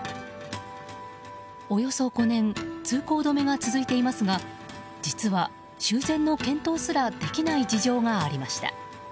およそ５年通行止めが続いていますが実は、修繕の検討すらできない事情がありました。